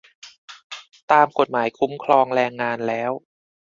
ตามกฎหมายคุ้มครองแรงงานแล้ว